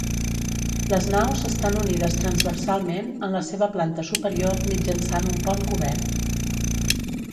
Les naus estan unides transversalment en la seva planta superior mitjançant un pont cobert.